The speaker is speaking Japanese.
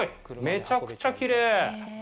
めちゃくちゃきれい！